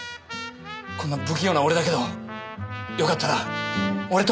こんな不器用な俺だけどよかったら俺と。